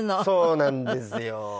そうなんですよ。